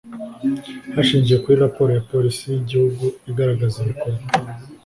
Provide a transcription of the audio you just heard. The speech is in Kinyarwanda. Hashingiwe kuri raporo ya Polisi y Igihugu igaragaza ibikorwa